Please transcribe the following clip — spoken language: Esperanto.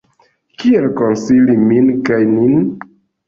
Kiel konsoli min kaj nin?